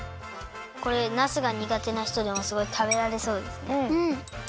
これなすがにがてなひとでもすごいたべられそうですね。